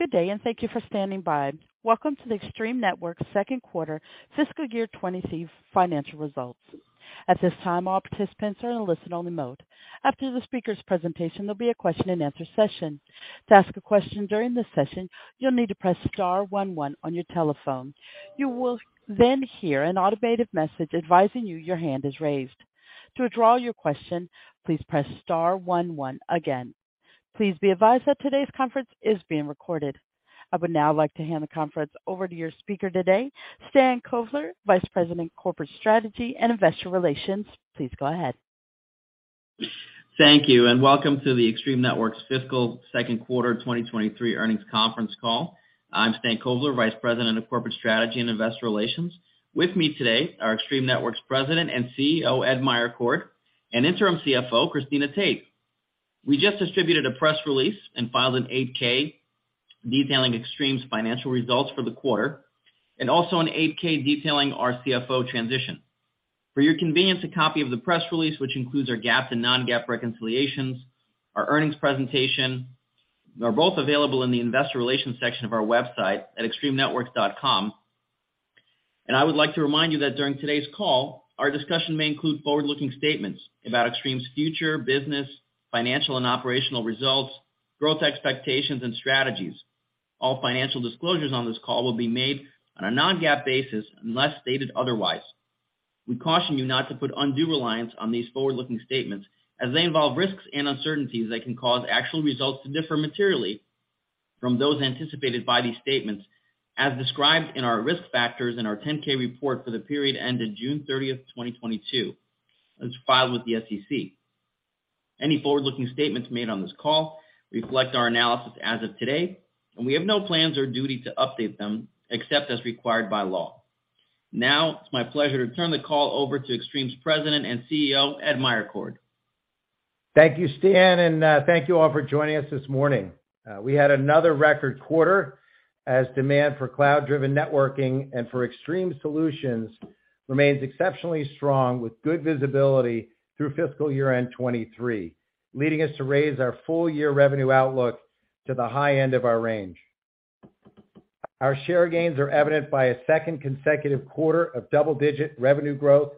Good day, and thank you for standing by. Welcome to the Extreme Networks Q2 fiscal year 2023 financial results. At this time, all participants are in listen-only mode. After the speaker's presentation, there'll be a Q&A session. To ask a question during this session, you'll need to press star one, one on your telephone. You will then hear an automated message advising you your hand is raised. To withdraw your question, please press star one, one again. Please be advised that today's conference is being recorded. I would now like to hand the conference over to your speaker today, Stan Kovler, Vice President, Corporate Strategy and Investor Relations. Please go ahead. Thank you, and welcome to the Extreme Networks fiscal Q2 2023 earnings conference call. I'm Stan Kovler, Vice President of Corporate Strategy and Investor Relations. With me today are Extreme Networks President and CEO, Ed Meyercord, and Interim CFO, Cristina Tate. We just distributed a press release and filed an 8-K detailing Extreme's financial results for the quarter and also an 8-K detailing our CFO transition. For your convenience, a copy of the press release, which includes our GAAP and non-GAAP reconciliations, our earnings presentation, are both available in the investor relations section of our website at extremenetworks.com. I would like to remind you that during today's call, our discussion may include forward-looking statements about Extreme's future business, financial, and operational results, growth expectations, and strategies. All financial disclosures on this call will be made on a non-GAAP basis unless stated otherwise. We caution you not to put undue reliance on these forward-looking statements as they involve risks and uncertainties that can cause actual results to differ materially from those anticipated by these statements as described in our risk factors in our 10-K report for the period ending June 30th, 2022, as filed with the SEC. Any forward-looking statements made on this call reflect our analysis as of today, and we have no plans or duty to update them except as required by law. Now it's my pleasure to turn the call over to Extreme's President and CEO, Ed Meyercord. Thank you, Stan, and thank you all for joining us this morning. We had another record quarter as demand for cloud-driven networking and for Extreme solutions remains exceptionally strong with good visibility through fiscal year end 2023, leading us to raise our full year revenue outlook to the high end of our range. Our share gains are evident by a second consecutive quarter of double-digit revenue growth,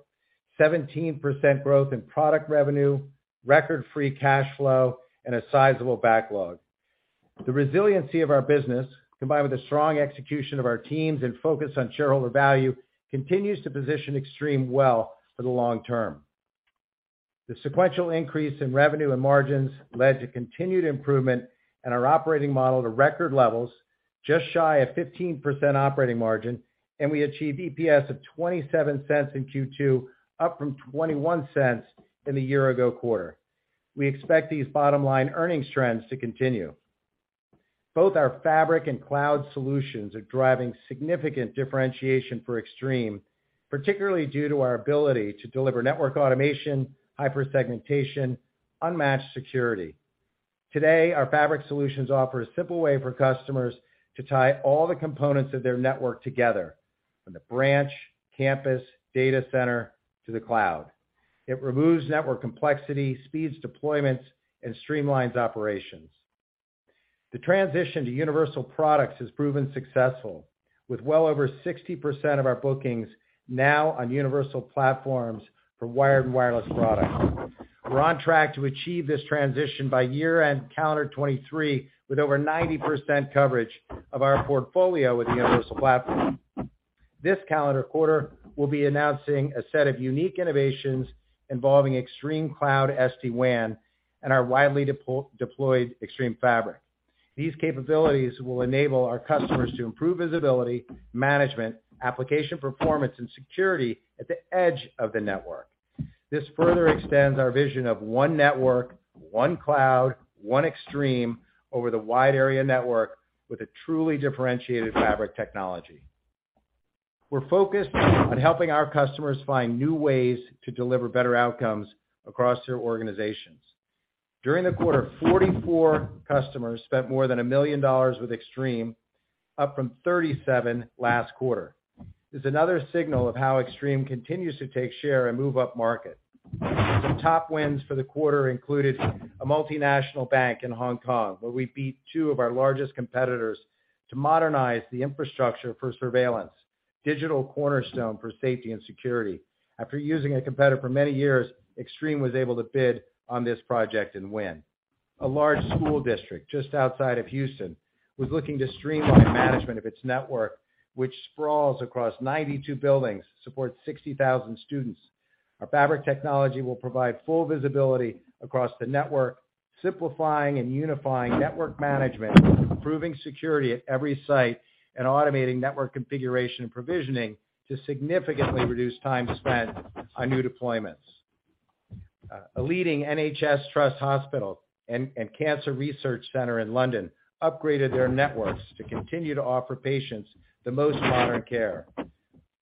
17% growth in product revenue, record-free cash flow, and a sizable backlog. The resiliency of our business, combined with the strong execution of our teams and focus on shareholder value, continues to position Extreme well for the long term. The sequential increase in revenue and margins led to continued improvement in our operating model to record levels just shy of 15% operating margin. We achieved EPS of $0.27 in Q2, up from $0.21 in the year-ago quarter. We expect these bottom line earnings trends to continue. Both our Fabric and cloud solutions are driving significant differentiation for Extreme, particularly due to our ability to deliver network automation, hyper segmentation, unmatched security. Today, our Fabric solutions offer a simple way for customers to tie all the components of their network together from the branch, campus, data center to the cloud. It removes network complexity, speeds deployments, and streamlines operations. The transition to universal products has proven successful, with well over 60% of our bookings now on universal platforms for wired and wireless products. We're on track to achieve this transition by year-end calendar 2023, with over 90% coverage of our portfolio with the universal platform. This calendar quarter, we'll be announcing a set of unique innovations involving ExtremeCloud SD-WAN and our widely deployed Extreme Fabric. These capabilities will enable our customers to improve visibility, management, application performance, and security at the edge of the network. This further extends our vision of one network, one cloud, one Extreme over the wide area network with a truly differentiated fabric technology. We're focused on helping our customers find new ways to deliver better outcomes across their organizations. During the quarter, 44 customers spent more than $1 million with Extreme, up from 37 last quarter. This is another signal of how Extreme continues to take share and move upmarket. Some top wins for the quarter included a multinational bank in Hong Kong, where we beat two of our largest competitors to modernize the infrastructure for surveillance, digital cornerstone for safety and security. After using a competitor for many years, Extreme was able to bid on this project and win. A large school district just outside of Houston was looking to streamline management of its network, which sprawls across 92 buildings, supports 60,000 students. Our Fabric technology will provide full visibility across the network, simplifying and unifying network management, improving security at every site, and automating network configuration and provisioning to significantly reduce time spent on new deployments. A leading NHS Trust hospital and cancer research center in London upgraded their networks to continue to offer patients the most modern care.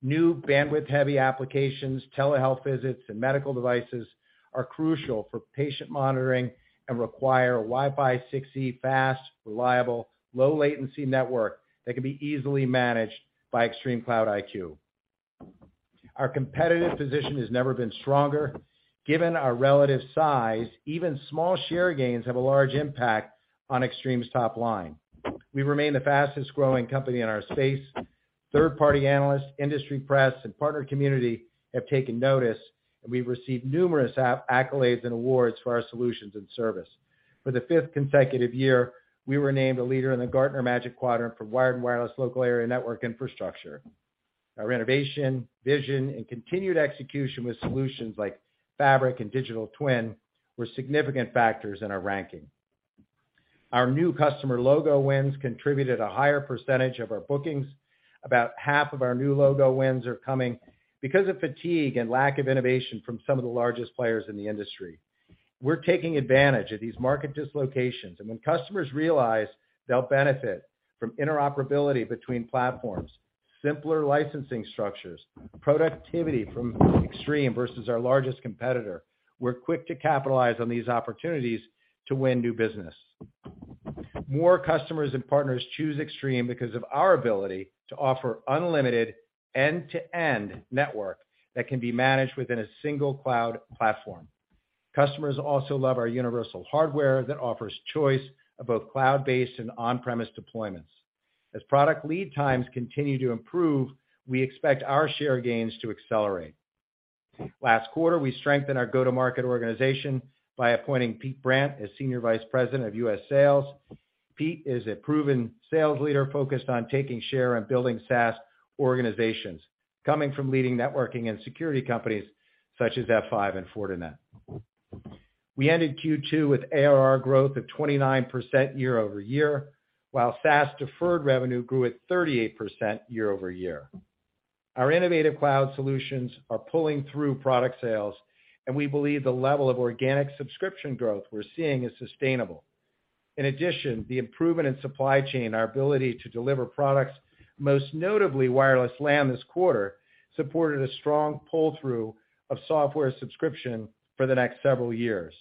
New bandwidth-heavy applications, telehealth visits, and medical devices are crucial for patient monitoring and require a Wi-Fi 6 fast, reliable, low latency network that can be easily managed by ExtremeCloud IQ. Our competitive position has never been stronger. Given our relative size, even small share gains have a large impact on Extreme's top line. We remain the fastest-growing company in our space. Third-party analysts, industry press, and partner community have taken notice, and we've received numerous accolades and awards for our solutions and service. For the fifth consecutive year, we were named a leader in the Gartner Magic Quadrant for wired and wireless local area network infrastructure. Our innovation, vision, and continued execution with solutions like Fabric and Digital Twin were significant factors in our ranking. Our new customer logo wins contributed a higher percentage of our bookings. About half of our new logo wins are coming because of fatigue and lack of innovation from some of the largest players in the industry. We're taking advantage of these market dislocations, and when customers realize they'll benefit from interoperability between platforms, simpler licensing structures, productivity from Extreme versus our largest competitor, we're quick to capitalize on these opportunities to win new business. More customers and partners choose Extreme because of our ability to offer unlimited end-to-end network that can be managed within a single cloud platform. Customers also love our universal hardware that offers choice of both cloud-based and on-premise deployments. As product lead times continue to improve, we expect our share gains to accelerate. Last quarter, we strengthened our go-to-market organization by appointing Pete Brant as Senior Vice President of U.S. Sales. Pete is a proven sales leader focused on taking share and building SaaS organizations, coming from leading networking and security companies such as F5 and Fortinet. We ended Q2 with ARR growth of 29% year-over-year, while SaaS deferred revenue grew at 38% year-over-year. Our innovative cloud solutions are pulling through product sales, and we believe the level of organic subscription growth we're seeing is sustainable. In addition, the improvement in supply chain, our ability to deliver products, most notably Wireless LAN this quarter, supported a strong pull-through of software subscription for the next several years.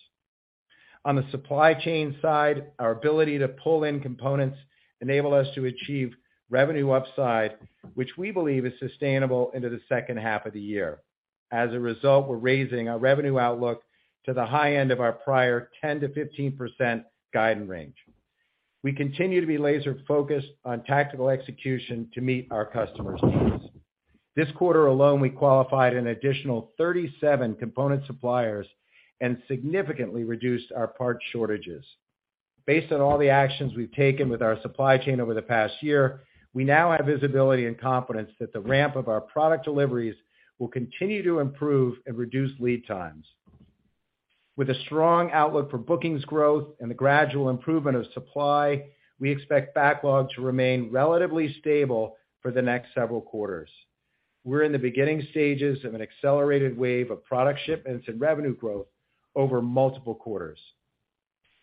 On the supply chain side, our ability to pull in components enable us to achieve revenue upside, which we believe is sustainable into the second half of the year. We're raising our revenue outlook to the high end of our prior 10% to 15% guidance range. We continue to be laser-focused on tactical execution to meet our customers' needs. This quarter alone, we qualified an additional 37 component suppliers and significantly reduced our part shortages. Based on all the actions we've taken with our supply chain over the past year, we now have visibility and confidence that the ramp of our product deliveries will continue to improve and reduce lead times. With a strong outlook for bookings growth and the gradual improvement of supply, we expect backlog to remain relatively stable for the next several quarters. We're in the beginning stages of an accelerated wave of product shipments and revenue growth over multiple quarters.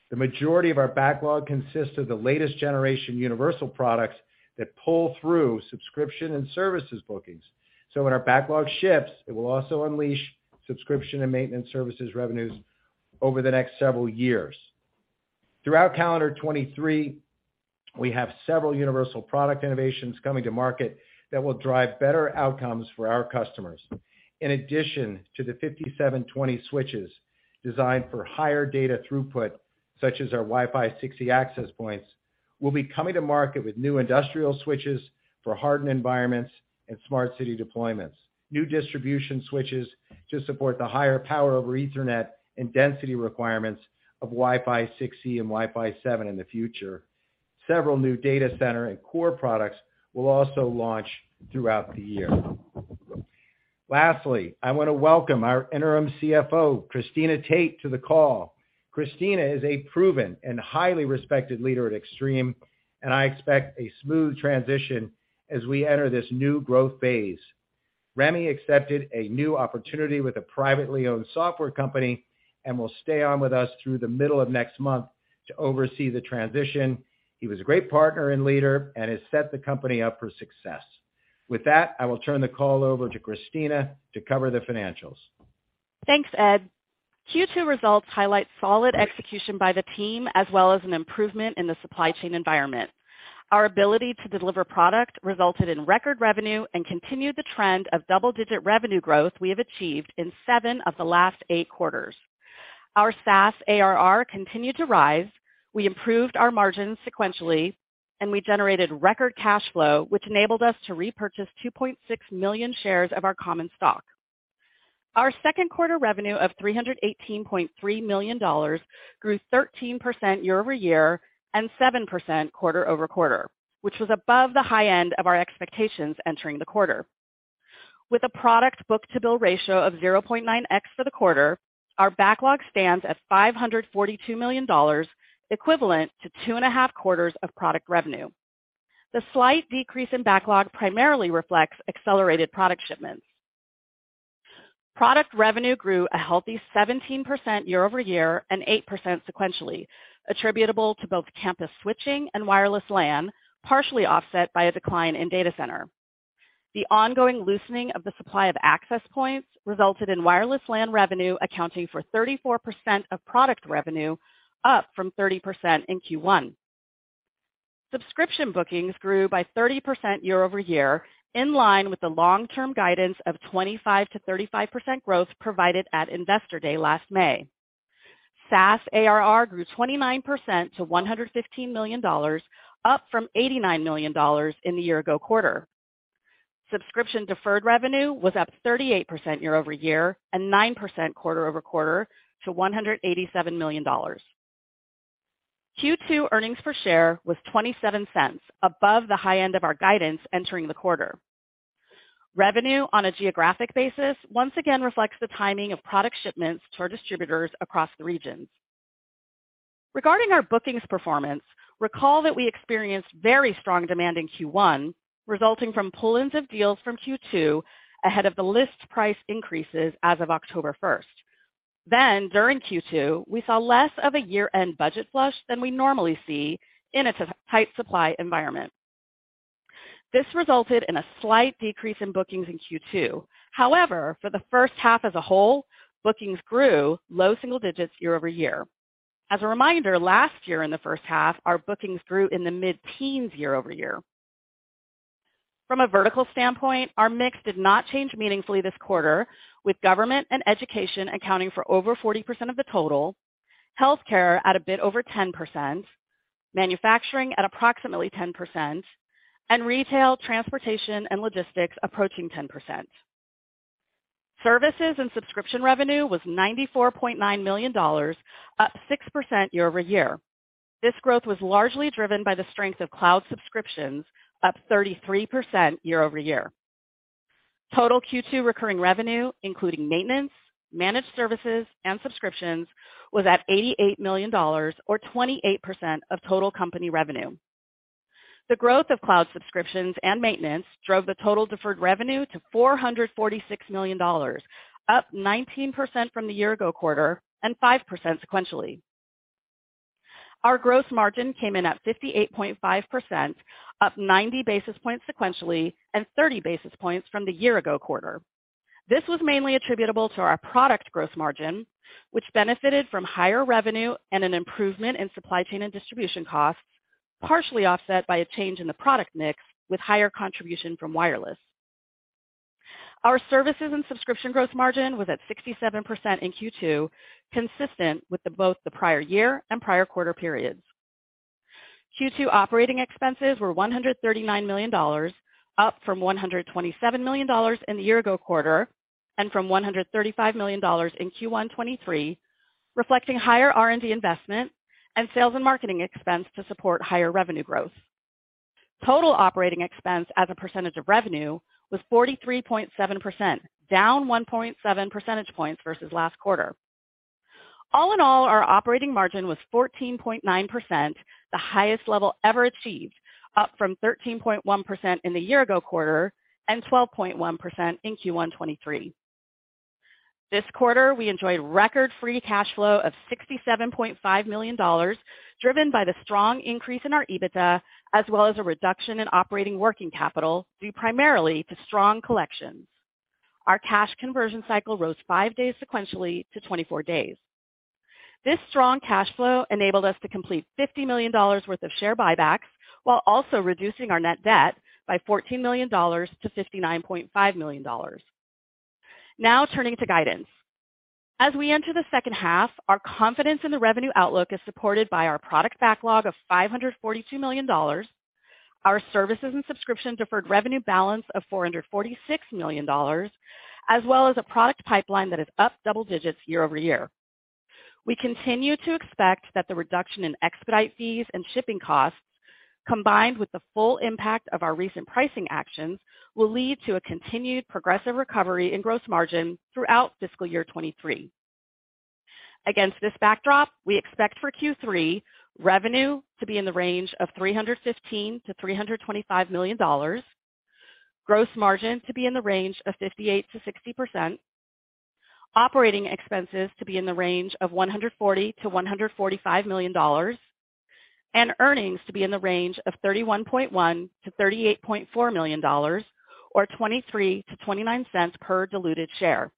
The majority of our backlog consists of the latest generation universal products that pull through subscription and services bookings. When our backlog shifts, it will also unleash subscription and maintenance services revenues over the next several years. Throughout calendar 2023, we have several universal product innovations coming to market that will drive better outcomes for our customers. In addition to the 5720 switches designed for higher data throughput, such as our Wi-Fi 6E access points, we'll be coming to market with new industrial switches for hardened environments and smart city deployments, new distribution switches to support the higher Power over Ethernet and density requirements of Wi-Fi 6E and Wi-Fi 7 in the future. Several new data center and core products will also launch throughout the year. Lastly, I want to welcome our Interim CFO, Cristina Tate, to the call. Cristina is a proven and highly respected leader at Extreme, and I expect a smooth transition as we enter this new growth phase. Rémi accepted a new opportunity with a privately owned software company and will stay on with us through the middle of next month to oversee the transition. He was a great partner and leader and has set the company up for success. With that, I will turn the call over to Cristina to cover the financials. Thanks, Ed. Q2 results highlight solid execution by the team, as well as an improvement in the supply chain environment. Our ability to deliver product resulted in record revenue and continued the trend of double-digit revenue growth we have achieved in seven of the last eight quarters. Our SaaS ARR continued to rise. We improved our margins sequentially, and we generated record cash flow, which enabled us to repurchase 2.6 million shares of our common stock. Our Q2 revenue of $318.3 million grew 13% year-over-year and 7% quarter-over-quarter, which was above the high end of our expectations entering the quarter. With a product book-to-bill ratio of 0.9x for the quarter, our backlog stands at $542 million, equivalent to two and a half quarters of product revenue. The slight decrease in backlog primarily reflects accelerated product shipments. Product revenue grew a healthy 17% year-over-year and 8% sequentially, attributable to both campus switching and Wireless LAN, partially offset by a decline in data center. The ongoing loosening of the supply of access points resulted in Wireless LAN revenue accounting for 34% of product revenue, up from 30% in Q1. Subscription bookings grew by 30% year-over-year, in line with the long-term guidance of 25% to 35% growth provided at Investor Day last May. SaaS ARR grew 29% to $115 million, up from $89 million in the year ago quarter. Subscription deferred revenue was up 38% year-over-year, and 9% quarter-over-quarter to $187 million. Q2 earnings per share was $0.27 above the high end of our guidance entering the quarter. Revenue on a geographic basis once again reflects the timing of product shipments to our distributors across the regions. Regarding our bookings performance, recall that we experienced very strong demand in Q1, resulting from pull-ins of deals from Q2 ahead of the list price increases as of October 1st. During Q2, we saw less of a year-end budget flush than we normally see in a tight supply environment. This resulted in a slight decrease in bookings in Q2. For the first half as a whole, bookings grew low single digits year-over-year. As a reminder, last year in the first half, our bookings grew in the mid-teens year-over-year. From a vertical standpoint, our mix did not change meaningfully this quarter, with government and education accounting for over 40% of the total, healthcare at a bit over 10%, manufacturing at approximately 10%, and retail, transportation and logistics approaching 10%. Services and subscription revenue was $94.9 million, up 6% year-over-year. This growth was largely driven by the strength of cloud subscriptions, up 33% year-over-year. Total Q2 recurring revenue, including maintenance, managed services and subscriptions, was at $88 million or 28% of total company revenue. The growth of cloud subscriptions and maintenance drove the total deferred revenue to $446 million, up 19% from the year ago quarter and 5% sequentially. Our gross margin came in at 58.5%, up 90 basis points sequentially and 30 basis points from the year-ago quarter. This was mainly attributable to our product gross margin, which benefited from higher revenue and an improvement in supply chain and distribution costs, partially offset by a change in the product mix with higher contribution from wireless. Our services and subscription gross margin was at 67% in Q2, consistent with the both the prior year and prior quarter periods. Q2 operating expenses were $139 million, up from $127 million in the year-ago quarter, and from $135 million in Q1 2023, reflecting higher R&D investment and sales and marketing expense to support higher revenue growth. Total operating expense as a percentage of revenue was 43.7%, down 1.7 percentage points versus last quarter. All in all, our operating margin was 14.9%, the highest level ever achieved, up from 13.1% in the year ago quarter and 12.1% in Q1 '23. This quarter, we enjoyed record free cash flow of $67.5 million, driven by the strong increase in our EBITDA, as well as a reduction in operating working capital due primarily to strong collections. Our cash conversion cycle rose 5 days sequentially to 24 days. This strong cash flow enabled us to complete $50 million worth of share buybacks while also reducing our net debt by $14 million to $59.5 million. Turning to guidance. As we enter the second half, our confidence in the revenue outlook is supported by our product backlog of $542 million, our services and subscription deferred revenue balance of $446 million, as well as a product pipeline that is up double digits year-over-year. We continue to expect that the reduction in expedite fees and shipping costs, combined with the full impact of our recent pricing actions, will lead to a continued progressive recovery in gross margin throughout fiscal year 2023. Against this backdrop, we expect for Q3 revenue to be in the range of $315 million to $325 million, gross margin to be in the range of 58% to 60%, operating expenses to be in the range of $140 million to $145 million, earnings to be in the range of $31.1 million to $38.4 million or $0.23 to $0.29 per diluted share.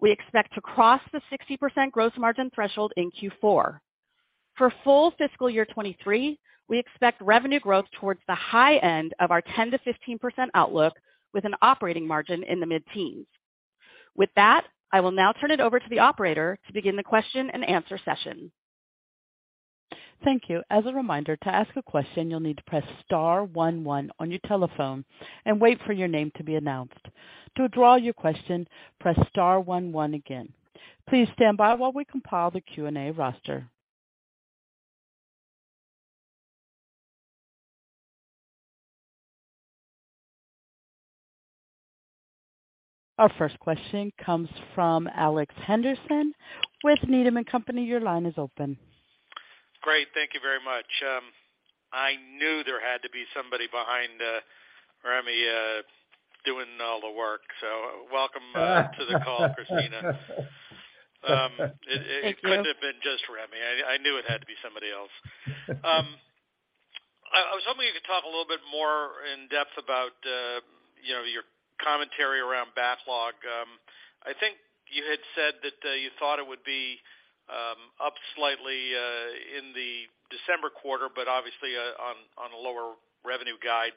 We expect to cross the 60% gross margin threshold in Q4. For full fiscal year 2023, we expect revenue growth towards the high end of our 10% to 15% outlook with an operating margin in the mid-teens. With that, I will now turn it over to the operator to begin the question and answer session. Thank you. As a reminder, to ask a question, you'll need to press star one one on your telephone and wait for your name to be announced. To withdraw your question, press star one one again. Please stand by while we compile the Q&A roster. Our first question comes from Alex Henderson with Needham & Company. Your line is open. Great. Thank you very much. I knew there had to be somebody behind Rémi doing all the work, so welcome to the call, Cristina. It couldn't have been just Rémi. I knew it had to be somebody else. I was hoping you could talk a little bit more in depth about, you know, your commentary around backlog I think you had said that you thought it would be up slightly in the December quarter, but obviously on a lower revenue guide.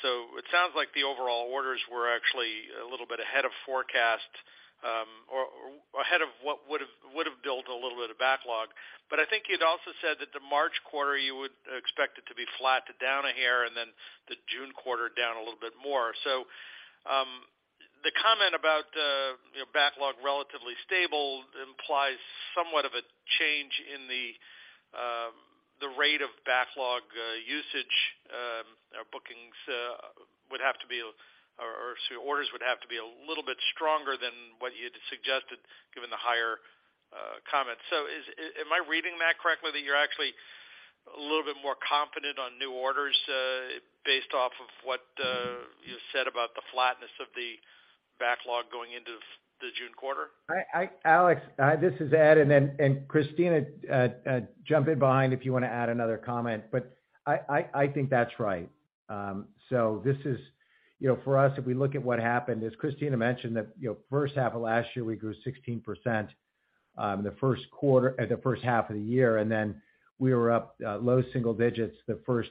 It sounds like the overall orders were actually a little bit ahead of forecast or ahead of what would've built a little bit of backlog. I think you'd also said that the March quarter, you would expect it to be flat to down a hair, and then the June quarter down a little bit more. The comment about, you know, backlog relatively stable implies somewhat of a change in the rate of backlog usage or bookings would have to be or orders would have to be a little bit stronger than what you had suggested given the higher comments. Am I reading that correctly, that you're actually a little bit more confident on new orders, based off of what you said about the flatness of the backlog going into the June quarter? Alex, this is Ed, and then Cristina, jump in behind if you wanna add another comment, but I think that's right. This is, you know, for us, if we look at what happened, as Cristina mentioned that, you know, first half of last year, we grew 16%, the first half of the year, and then we were up low single digits the first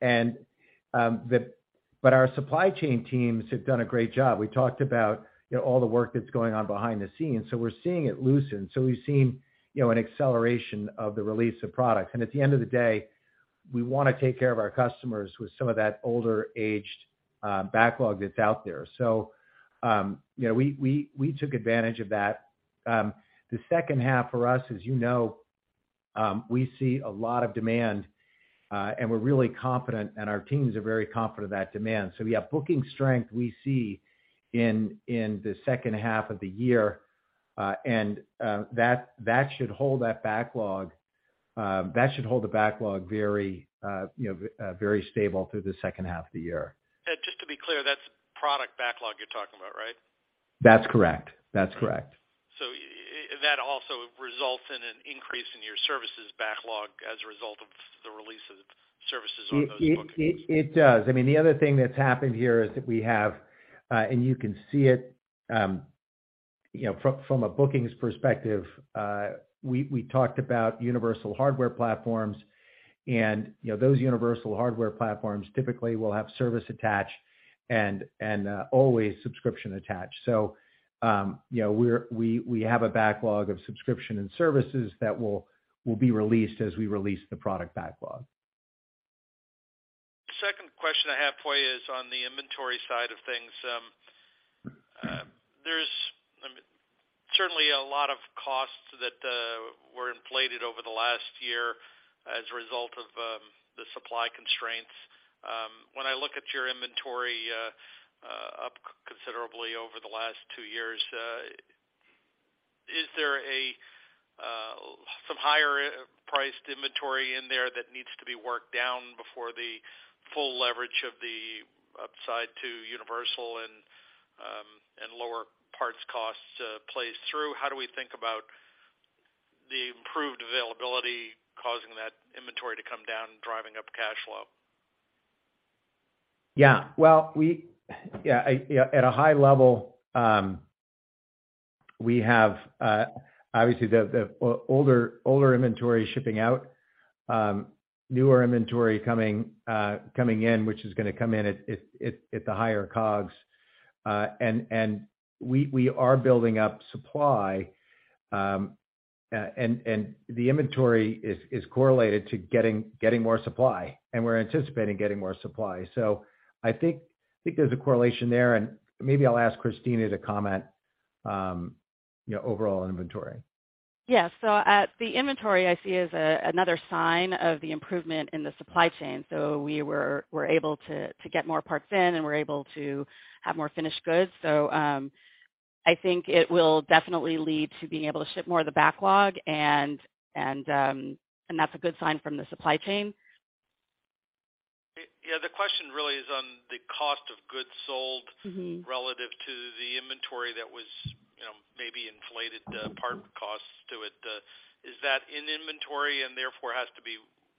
half of this year, and then a lot of it got pulled into the Q1. Our supply chain teams have done a great job. We talked about, you know, all the work that's going on behind the scenes, we're seeing it loosen. We've seen, you know, an acceleration of the release of product. At the end of the day, we wanna take care of our customers with some of that older aged, backlog that's out there. You know, we took advantage of that. The second half for us, as you know, we see a lot of demand, and we're really confident and our teams are very confident of that demand. Yeah, booking strength we see in the second half of the year, and that should hold that backlog, that should hold the backlog very, you know, very stable through the second half of the year. Ed, just to be clear, that's product backlog you're talking about, right? That's correct. That's correct. That also results in an increase in your services backlog as a result of the release of services on those bookings. It does. I mean, the other thing that's happened here is that we have, and you can see it, you know, from a bookings perspective, we talked about universal hardware platforms and, you know, those universal hardware platforms typically will have service attached and always subscription attached. You know, we have a backlog of subscription and services that will be released as we release the product backlog. Second question I have for you is on the inventory side of things. There's certainly a lot of costs that were inflated over the last year as a result of the supply constraints. When I look at your inventory, up considerably over the last two years, is there some higher priced inventory in there that needs to be worked down before the full leverage of the upside to universal and lower parts costs plays through? How do we think about the improved availability causing that inventory to come down, driving up cash flow? At a high level, we have obviously the older inventory shipping out, newer inventory coming in, which is gonna come in at the higher COGS. We are building up supply, and the inventory is correlated to getting more supply, and we're anticipating getting more supply. I think there's a correlation there, and maybe I'll ask Cristina to comment, you know, overall inventory. Yeah. At the inventory I see is another sign of the improvement in the supply chain. We're able to get more parts in, and we're able to have more finished goods. I think it will definitely lead to being able to ship more of the backlog, and that's a good sign from the supply chain. Yeah. The question really is on the cost of goods sold Mm-hmm. relative to the inventory that was, you know, maybe inflated, part costs to it. Is that in inventory and therefore has to be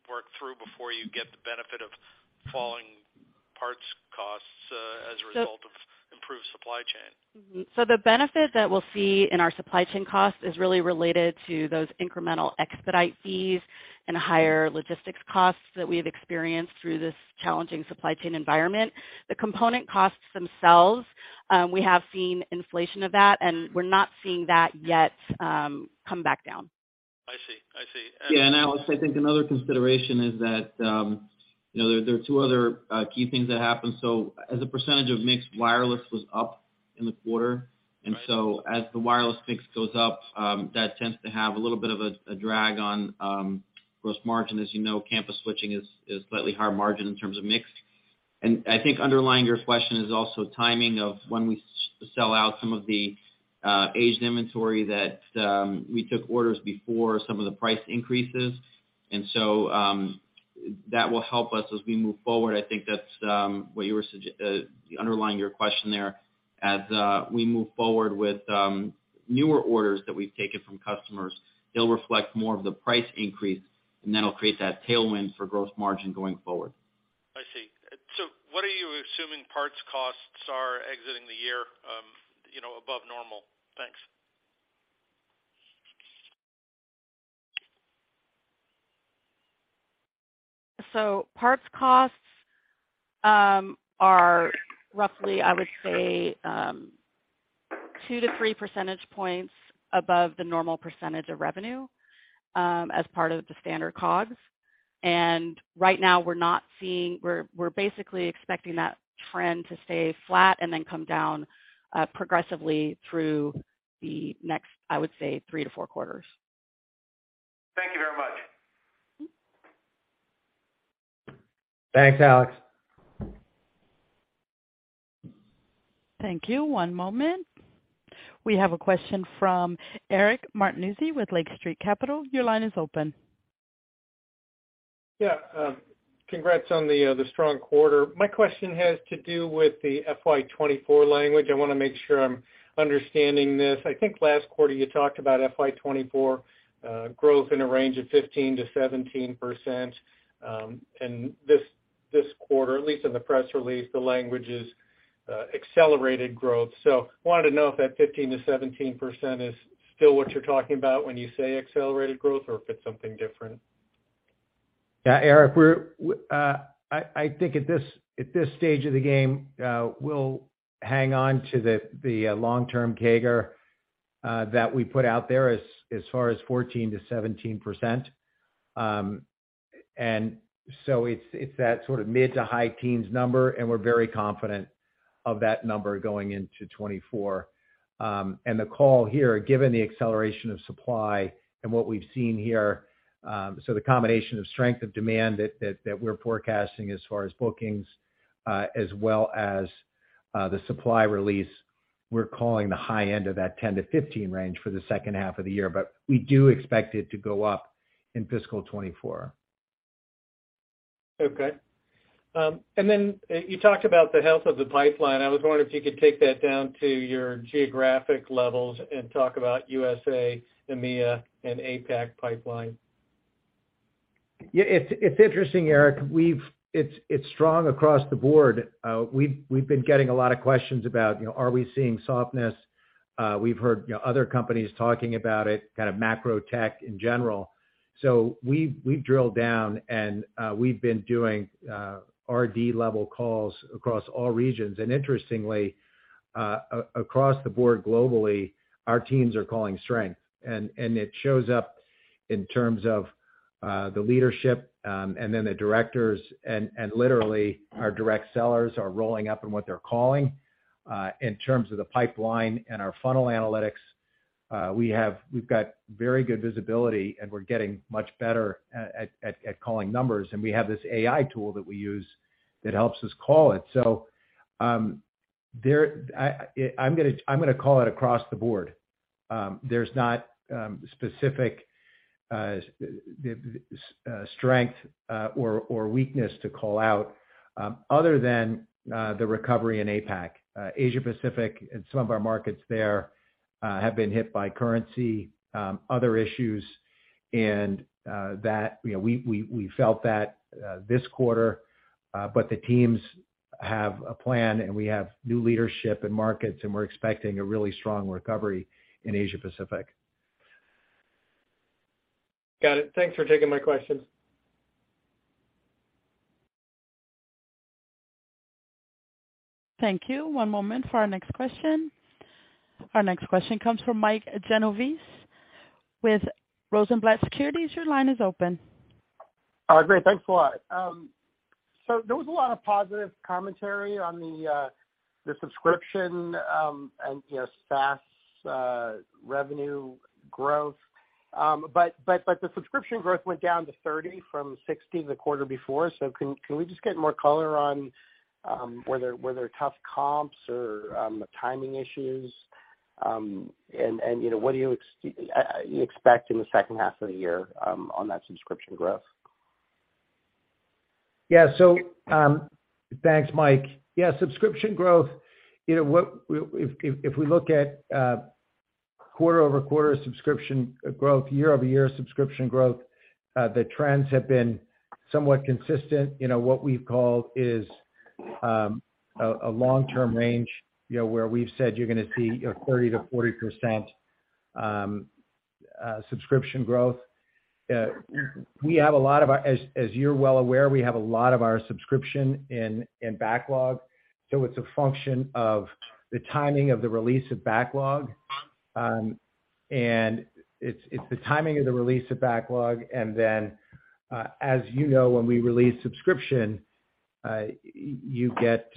worked through before you get the benefit of falling parts costs as a result of improved supply chain? The benefit that we'll see in our supply chain costs is really related to those incremental expedite fees and higher logistics costs that we've experienced through this challenging supply chain environment. The component costs themselves, we have seen inflation of that, and we're not seeing that yet, come back down. I see. I see. Yeah. Alex, I think another consideration is that, you know, there are two other key things that happened. As a percentage of mix, wireless was up in the quarter. Right. As the wireless mix goes up, that tends to have a little bit of a drag on gross margin. As you know, campus switching is slightly higher margin in terms of mix. I think underlying your question is also timing of when we sell out some of the aged inventory that we took orders before some of the price increases. That will help us as we move forward. I think that's what you were underlying your question there. As we move forward with newer orders that we've taken from customers, they'll reflect more of the price increase, and that'll create that tailwind for gross margin going forward. I see. What are you assuming parts costs are exiting the year, you know, above normal? Thanks. Parts costs are roughly, I would say, 2 to 3 percentage points above the normal percentage of revenue as part of the standard COGS. Right now, we're basically expecting that trend to stay flat and then come down progressively through the next, I would say, three to four quarters. Thank you very much. Thanks, Alex. Thank you. One moment. We have a question from Eric Martinuzzi with Lake Street Capital. Your line is open. Yeah. Congrats on the strong quarter. My question has to do with the FY 2024 language. I wanna make sure I'm understanding this. I think last quarter you talked about FY 2024 growth in a range of 15% to 17%. This, this quarter, at least in the press release, the language is accelerated growth. Wanted to know if that 15% to 17% is still what you're talking about when you say accelerated growth or if it's something different? Yeah, Eric, I think at this stage of the game, we'll hang on to the long-term CAGR that we put out there as far as 14% to 17%. So it's that sort of mid to high teens number, and we're very confident of that number going into 2024. The call here, given the acceleration of supply and what we've seen here, so the combination of strength of demand that we're forecasting as far as bookings, as well as the supply release, we're calling the high end of that 10 to 15 range for the second half of the year, but we do expect it to go up in fiscal 2024. Okay. You talked about the health of the pipeline. I was wondering if you could take that down to your geographic levels and talk about U.S.A., EMEA and APAC pipeline. Yeah, it's interesting, Eric. It's strong across the board. We've been getting a lot of questions about, you know, are we seeing softness? We've heard, you know, other companies talking about it, kind of macro tech in general. We've drilled down and we've been doing R&D level calls across all regions. Interestingly, across the board globally, our teams are calling strength. It shows up in terms of the leadership, and then the directors and literally our direct sellers are rolling up in what they're calling in terms of the pipeline and our funnel analytics. We've got very good visibility, and we're getting much better at calling numbers. We have this AI tool that we use that helps us call it. There, I'm gonna call it across the board. There's not specific this strength or weakness to call out other than the recovery in APAC, Asia Pacific and some of our markets there have been hit by currency, other issues and that, you know, we felt that this quarter. The teams have a plan, and we have new leadership and markets, and we're expecting a really strong recovery in Asia Pacific. Got it. Thanks for taking my questions. Thank you. One moment for our next question. Our next question comes from Mike Genovese with Rosenblatt Securities. Your line is open. Great. Thanks a lot. There was a lot of positive commentary on the subscription, and, you know, SaaS revenue growth. The subscription growth went down to 30% from 60% the quarter before. Can we just get more color on, were there tough comps or timing issues? You know, what do you expect in the second half of the year on that subscription growth? Yeah. Thanks, Mike. Yeah, subscription growth, you know, If we look at quarter-over-quarter subscription growth, year-over-year subscription growth, the trends have been somewhat consistent. You know, what we've called is a long-term range, you know, where we've said you're gonna see a 30% to 40% subscription growth. We have a lot of our. As you're well aware, we have a lot of our subscription in backlog, so it's a function of the timing of the release of backlog. It's the timing of the release of backlog, and then, as you know, when we release subscription, you get,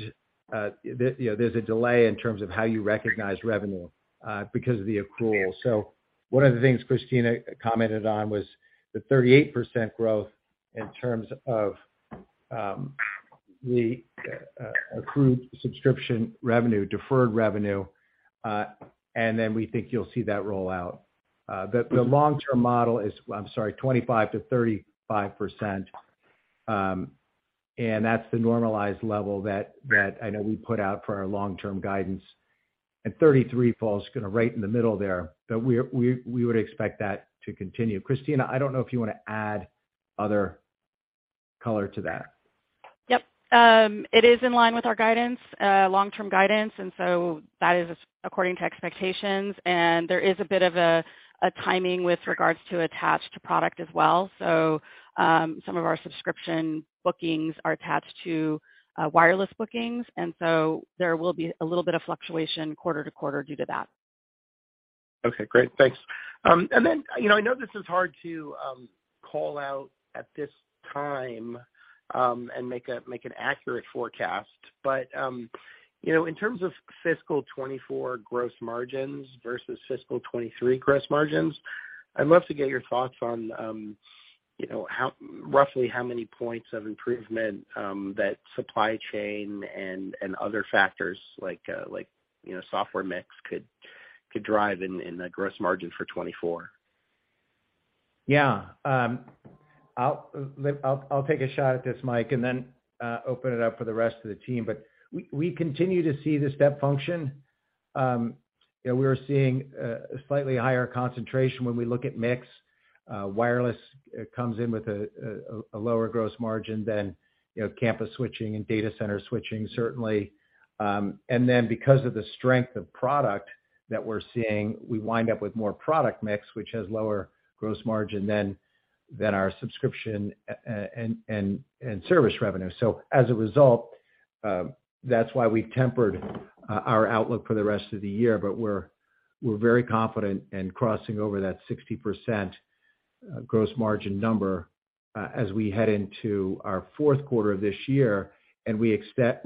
you know, there's a delay in terms of how you recognize revenue, because of the accrual. One of the things Cristina commented on was the 38% growth in terms of the accrued subscription revenue, deferred revenue, and then we think you'll see that roll out. The long-term model is, I'm sorry, 25% to 35%. And that's the normalized level that I know we put out for our long-term guidance. 33 falls kinda right in the middle there. We would expect that to continue. Cristina, I don't know if you wanna add other color to that. Yep. It is in line with our guidance, long-term guidance, and so that is according to expectations. There is a bit of a timing with regards to attached product as well. Some of our subscription bookings are attached to wireless bookings, and so there will be a little bit of fluctuation quarter to quarter due to that. Okay, great. Thanks. You know, I know this is hard to call out at this time, and make an accurate forecast, but, you know, in terms of fiscal 2024 gross margins versus fiscal 2023 gross margins, I'd love to get your thoughts on, you know, roughly how many points of improvement that supply chain and other factors like, you know, software mix could drive in the gross margin for 2024. Yeah. I'll take a shot at this, Mike, and then open it up for the rest of the team. We continue to see the step function. You know, we're seeing a slightly higher concentration when we look at mix. Wireless comes in with a lower gross margin than, you know, campus switching and data center switching, certainly. Because of the strength of product that we're seeing, we wind up with more product mix, which has lower gross margin than our subscription and service revenue. As a result, that's why we tempered our outlook for the rest of the year. We're very confident in crossing over that 60% gross margin number as we head into our Q4 this year, and we expect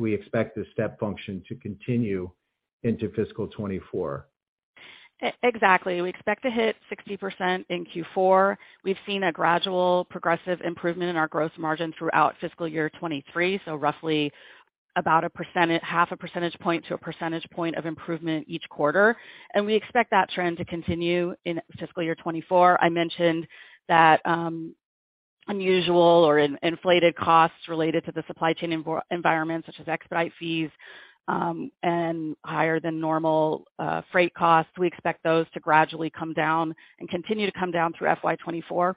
this step function to continue into fiscal 24. Exactly. We expect to hit 60% in Q4. We've seen a gradual progressive improvement in our gross margin throughout fiscal year 2023, so roughly about 1%, half a percentage point to 1 percentage point of improvement each quarter. We expect that trend to continue in fiscal year 2024. I mentioned that unusual or inflated costs related to the supply chain environment, such as expedite fees, and higher than normal freight costs, we expect those to gradually come down and continue to come down through FY 2024.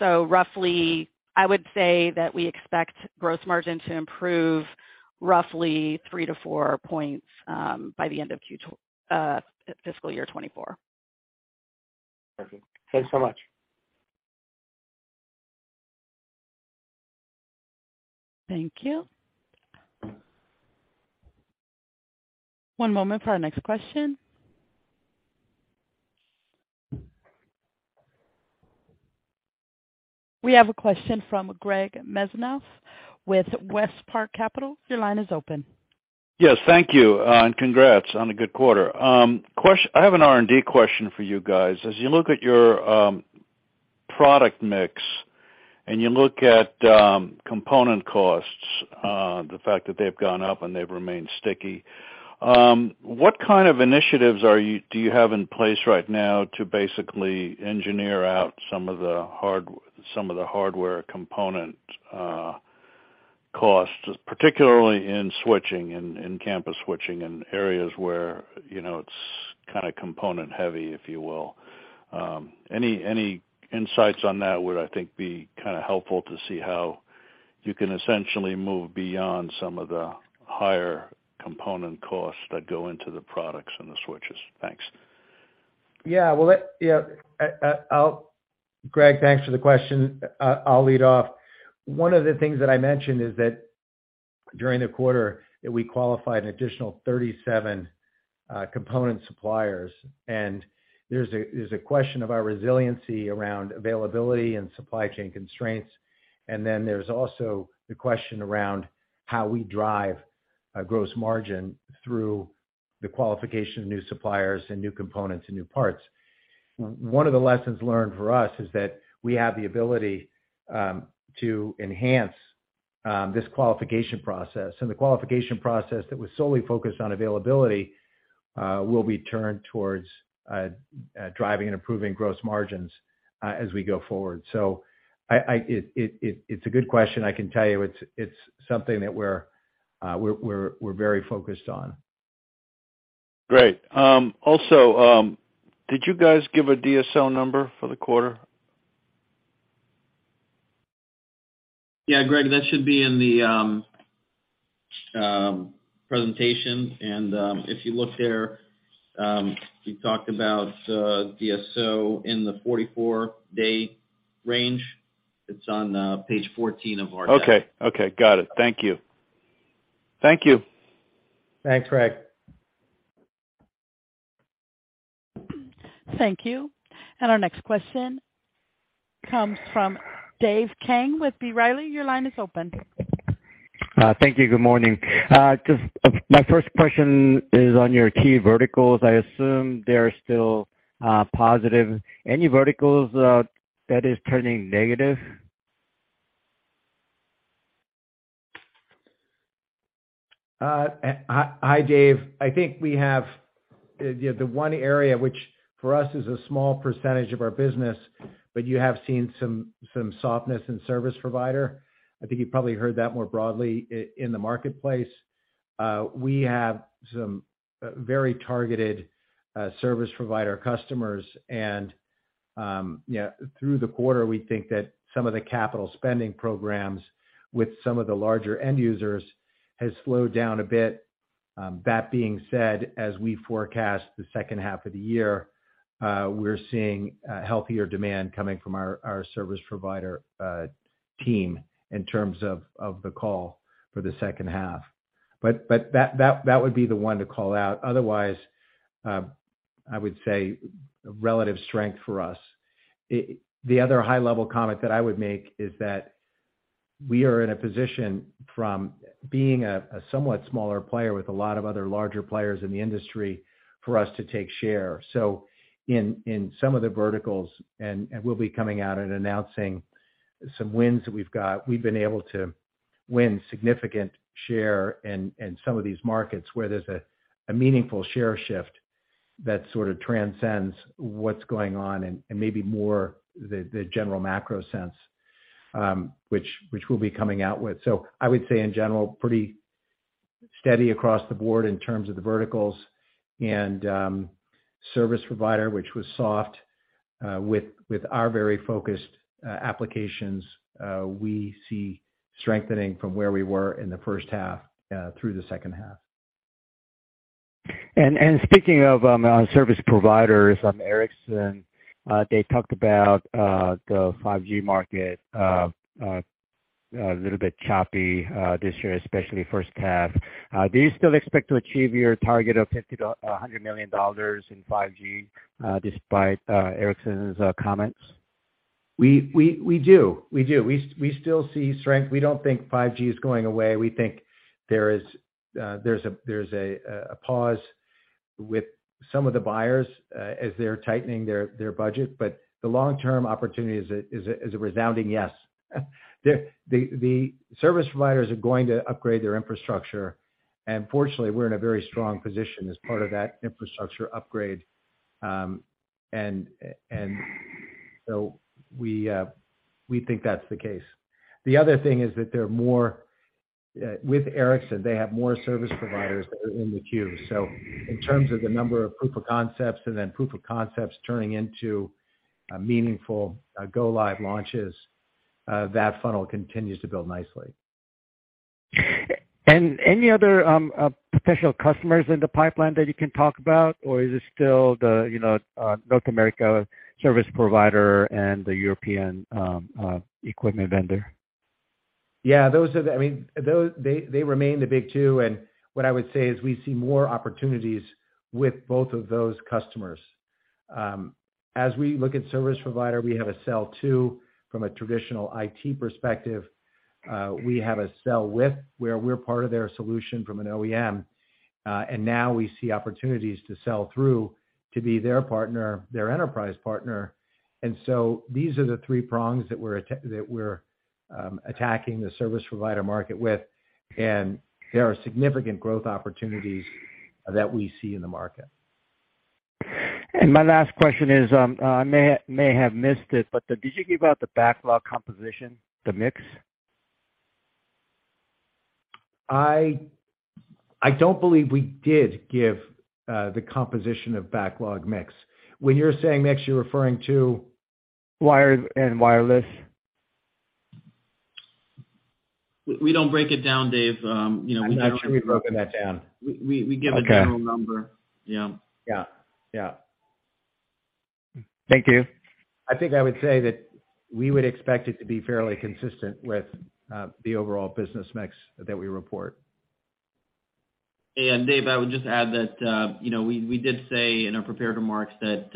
Roughly I would say that we expect gross margin to improve roughly 3 to 4 points by the end of fiscal year 2024. Perfect. Thanks so much. Thank you. One moment for our next question. We have a question from Greg Mesniaeff with WestPark Capital. Your line is open. Yes, thank you. Congrats on a good quarter. I have an R&D question for you guys. As you look at your product mix, and you look at component costs, the fact that they've gone up and they've remained sticky, what kind of initiatives do you have in place right now to basically engineer out some of the hardware component costs, particularly in switching, in campus switching in areas where, you know, it's kinda component heavy, if you will? Any insights on that would, I think, be kinda helpful to see how you can essentially move beyond some of the higher component costs that go into the products and the switches. Thanks. Yeah. Well, yeah. Greg, thanks for the question. I'll lead off. One of the things that I mentioned is that during the quarter that we qualified an additional 37 component suppliers. There's a question of our resiliency around availability and supply chain constraints. Then there's also the question around how we drive a gross margin through the qualification of new suppliers and new components and new parts. One of the lessons learned for us is that we have the ability to enhance this qualification process. The qualification process that was solely focused on availability, will be turned towards driving and improving gross margins as we go forward. It's a good question. I can tell you it's something that we're very focused on. Great. Also, did you guys give a DSO number for the quarter? Yeah, Greg, that should be in the presentation. If you look there, we talked about DSO in the 44-day range. It's on page 14 of our deck. Okay. Okay. Got it. Thank you. Thank you. Thanks, Greg. Thank you. Our next question comes from Dave Kang with B. Riley. Your line is open. Thank you. Good morning. Just, my first question is on your key verticals. I assume they are still positive. Any verticals that is turning negative? Hi, Dave. I think we have, you know, the one area which for us is a small percentage of our business, but you have seen some softness in service provider. I think you've probably heard that more broadly in the marketplace. We have some very targeted service provider customers and, yeah, through the quarter, we think that some of the capital spending programs with some of the larger end users has slowed down a bit. That being said, as we forecast the second half of the year, we're seeing a healthier demand coming from our service provider team in terms of the call for the second half. That would be the one to call out. Otherwise, I would say relative strength for us. The other high-level comment that I would make is that we are in a position from being a somewhat smaller player with a lot of other larger players in the industry for us to take share. In some of the verticals, and we'll be coming out and announcing some wins that we've got, we've been able to win significant share in some of these markets where there's a meaningful share shift that sort of transcends what's going on and maybe more the general macro sense, which we'll be coming out with. I would say in general, pretty steady across the board in terms of the verticals and service provider, which was soft with our very focused applications, we see strengthening from where we were in the first half through the second half. Speaking of service providers, Ericsson, they talked about the 5G market a little bit choppy this year, especially first half. Do you still expect to achieve your target of $50 million to $100 million in 5G, despite Ericsson's comments? We do. We do. We still see strength. We don't think 5G is going away. We think there is, there's a pause with some of the buyers, as they're tightening their budget. The long-term opportunity is a resounding yes. The service providers are going to upgrade their infrastructure. Fortunately, we're in a very strong position as part of that infrastructure upgrade. We think that's the case. The other thing is that there are more. With Ericsson, they have more service providers that are in the queue. In terms of the number of proof of concepts and then proof of concepts turning into a meaningful go live launches, that funnel continues to build nicely. Any other potential customers in the pipeline that you can talk about, or is it still the, you know, North America service provider and the European equipment vendor? Yeah, those are I mean, they remain the big two. What I would say is we see more opportunities with both of those customers. As we look at service provider, we have a sell to from a traditional IT perspective. We have a sell with, where we're part of their solution from an OEM. Now we see opportunities to sell through to be their partner, their enterprise partner. These are the three prongs that we're attacking the service provider market with, and there are significant growth opportunities that we see in the market. My last question is, I may have missed it, but did you give out the backlog composition, the mix? I don't believe we did give the composition of backlog mix. When you're saying mix, you're referring to? Wired and wireless. We don't break it down, Dave. you know. I'm not sure we've broken that down. We give a general number. Okay. Yeah. Yeah. Yeah. Thank you. I think I would say that we would expect it to be fairly consistent with, the overall business mix that we report. Dave, I would just add that, you know, we did say in our prepared remarks that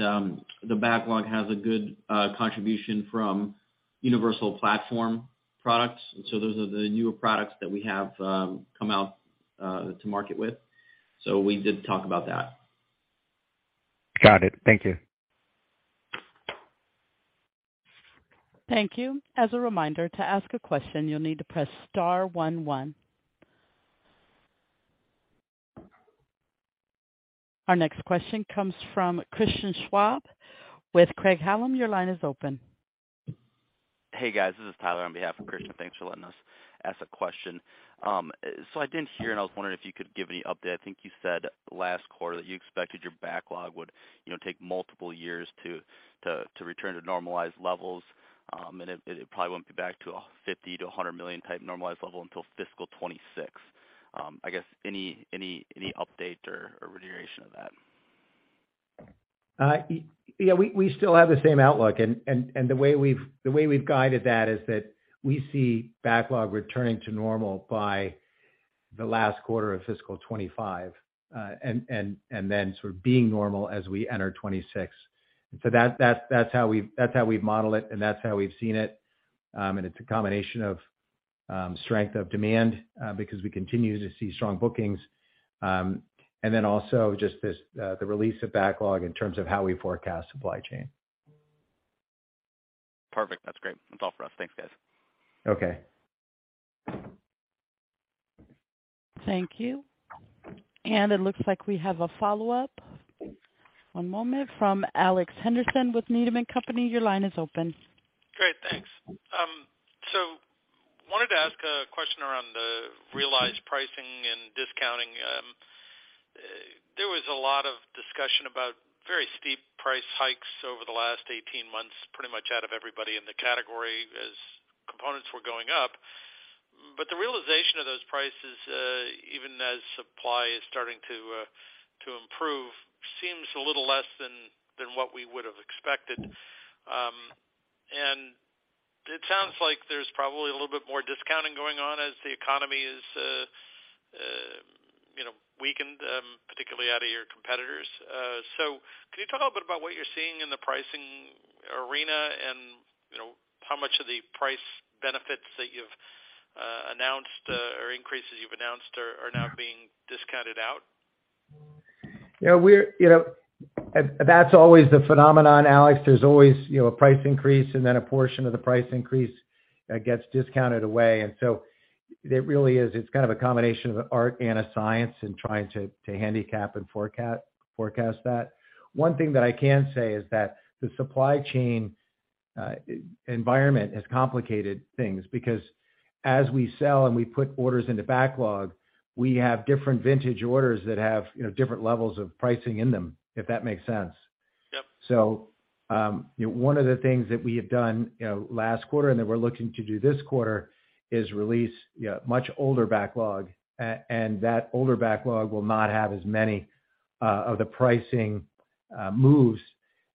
the backlog has a good contribution from universal platform products. Those are the newer products that we have come out to market with. We did talk about that. Got it. Thank you. Thank you. As a reminder, to ask a question, you'll need to press star one one. Our next question comes from Christian Schwab with Craig-Hallum. Your line is open. Hey, guys. This is Tyler on behalf of Christian. Thanks for letting us ask a question. I didn't hear, and I was wondering if you could give any update. I think you said last quarter that you expected your backlog would, you know, take multiple years to return to normalized levels, and it probably won't be back to a $50 million to $100 million type normalized level until fiscal 2026. I guess any update or reiteration of that? Yeah, we still have the same outlook, and the way we've guided that is that we see backlog returning to normal by the last quarter of fiscal 2025, and then sort of being normal as we enter 2026. That's, that's how we've, that's how we've modeled it, and that's how we've seen it. It's a combination of strength of demand because we continue to see strong bookings, and then also just this the release of backlog in terms of how we forecast supply chain. Perfect. That's great. That's all for us. Thanks, guys. Okay. Thank you. It looks like we have a follow-up. One moment from Alex Henderson with Needham and Company. Your line is open. Great, thanks. Wanted to ask a question around the realized pricing and discounting. There was a lot of discussion about very steep price hikes over the last 18 months, pretty much out of everybody in the category as components were going up. The realization of those prices, even as supply is starting to improve, seems a little less than what we would have expected. It sounds like there's probably a little bit more discounting going on as the economy is, you know, weakened, particularly out of your competitors. Can you talk a little bit about what you're seeing in the pricing arena and, you know, how much of the price benefits that you've announced or increases you've announced are now being discounted out? Yeah, you know, that's always the phenomenon, Alex. There's always, you know, a price increase and then a portion of the price increase gets discounted away. It really is. It's kind of a combination of art and a science and trying to handicap and forecast that. One thing that I can say is that the supply chain environment has complicated things because as we sell and we put orders into backlog, we have different vintage orders that have, you know, different levels of pricing in them, if that makes sense. Yep. One of the things that we have done, you know, last quarter and that we're looking to do this quarter is release, you know, much older backlog. That older backlog will not have as many of the pricing moves,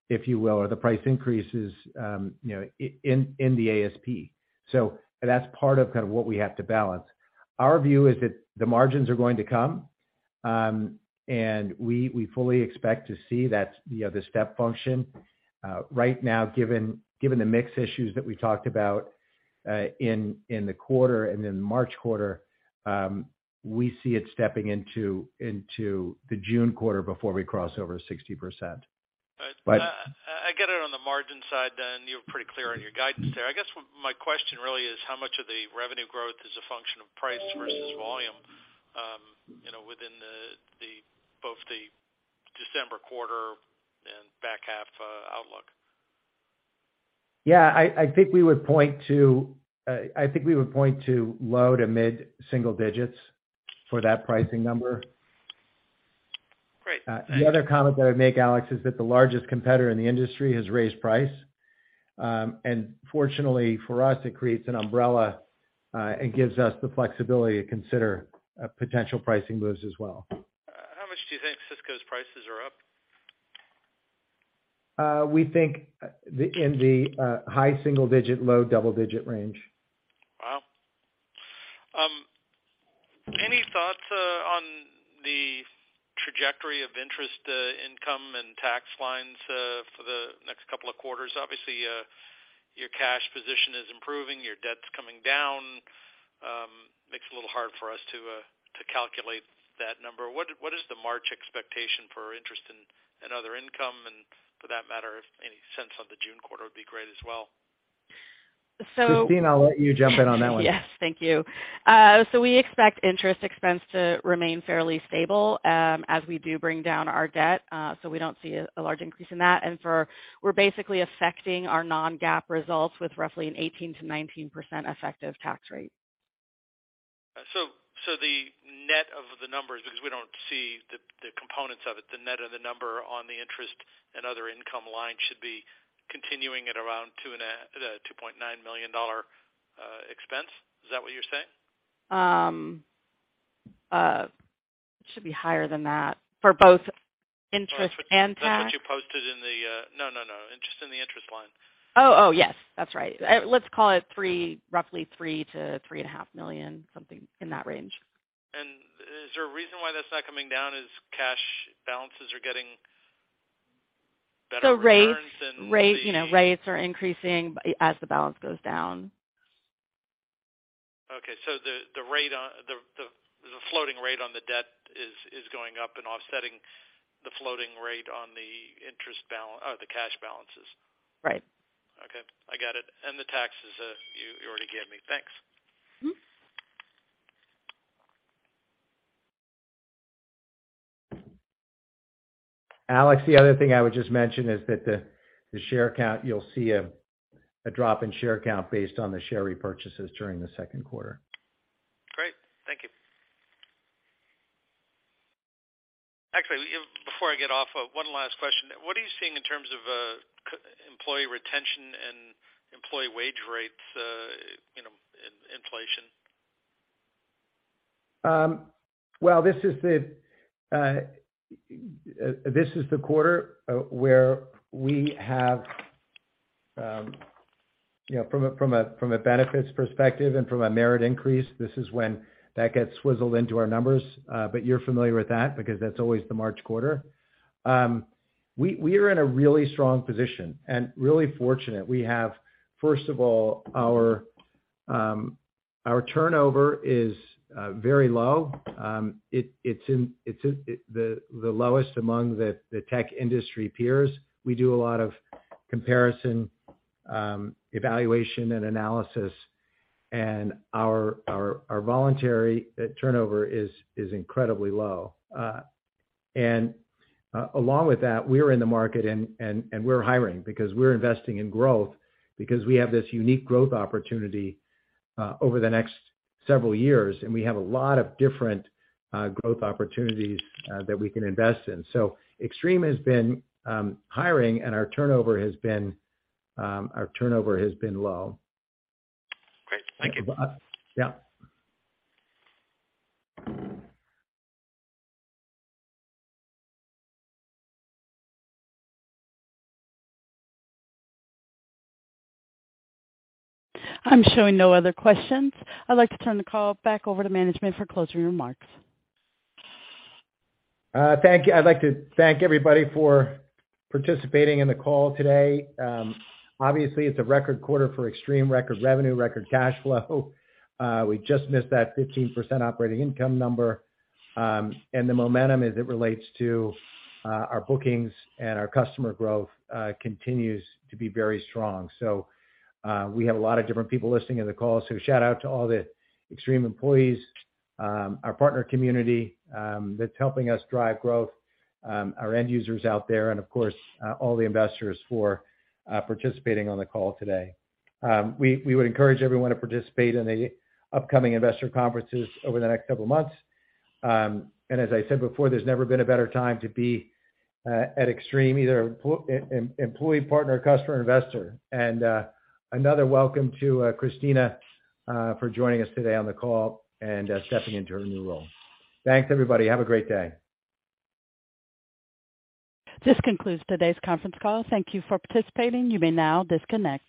if you will, or the price increases, you know, in the ASP. That's part of kind of what we have to balance. Our view is that the margins are going to come, and we fully expect to see that, you know, the step function right now, given the mix issues that we talked about in the quarter and in the March quarter, we see it stepping into the June quarter before we cross over 60%. All right. But, I get it on the margin side then. You're pretty clear on your guidance there. I guess my question really is how much of the revenue growth is a function of price versus volume, you know, within the December quarter and back half outlook? Yeah, I think we would point to low to mid single digits for that pricing number. Great. The other comment that I would make, Alex, is that the largest competitor in the industry has raised price. Fortunately for us, it creates an umbrella, and gives us the flexibility to consider potential pricing moves as well. How much do you think Cisco's prices are up? We think in the high single digit, low double digit range. Wow. Any thoughts on the trajectory of interest income and tax lines for the next couple of quarters? Obviously, your cash position is improving, your debt's coming down. Makes it a little hard for us to calculate that number. What is the March expectation for interest and other income? And for that matter, if any sense on the June quarter would be great as well. So- Cristina, I'll let you jump in on that one. Yes. Thank you. We expect interest expense to remain fairly stable, as we do bring down our debt. We don't see a large increase in that. We're basically affecting our non-GAAP results with roughly an 18% to 19% effective tax rate. The net of the numbers, because we don't see the components of it, the net of the number on the interest and other income line should be continuing at around $2.9 million expense. Is that what you're saying? It should be higher than that for both interest and tax. That's what you posted in the, no, no. Just in the interest line. Oh, yes, that's right. Let's call it roughly $3 million to $3.5 million, something in that range. Is there a reason why that's not coming down as cash balances are getting better returns than? Rates, you know, rates are increasing as the balance goes down. Okay. The floating rate on the debt is going up and offsetting the floating rate on the cash balances. Right. Okay, I got it. The taxes, you already gave me. Thanks. Mm-hmm. Alex, the other thing I would just mention is that the share count, you'll see a drop in share count based on the share repurchases during the Q2. Great. Thank you. Actually, before I get off, one last question. What are you seeing in terms of employee retention and employee wage rates, you know, in inflation? Well, this is the quarter where we have, you know, from a, from a, from a benefits perspective and from a merit increase, this is when that gets swizzled into our numbers. You're familiar with that because that's always the March quarter. We are in a really strong position and really fortunate. We have, first of all, our turnover is very low. It's the lowest among the tech industry peers. We do a lot of comparison, evaluation, and analysis. Our voluntary turnover is incredibly low. Along with that, we're in the market and we're hiring because we're investing in growth because we have this unique growth opportunity over the next several years, and we have a lot of different growth opportunities that we can invest in. Extreme has been hiring and our turnover has been low. Great. Thank you. Yeah. I'm showing no other questions. I'd like to turn the call back over to management for closing remarks. Thank you. I'd like to thank everybody for participating in the call today. Obviously it's a record quarter for Extreme, record revenue, record cash flow. We just missed that 15% operating income number. The momentum as it relates to our bookings and our customer growth continues to be very strong. We have a lot of different people listening to the call, so shout out to all the Extreme employees, our partner community, that's helping us drive growth, our end users out there, and of course, all the investors for participating on the call today. We would encourage everyone to participate in the upcoming investor conferences over the next couple of months. As I said before, there's never been a better time to be at Extreme, either employee, partner, customer, investor. Another welcome to Cristina for joining us today on the call and stepping into her new role. Thanks, everybody. Have a great day. This concludes today's conference call. Thank you for participating. You may now disconnect.